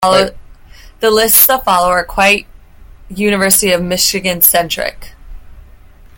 The lists that follow are quite University of Michigan centric.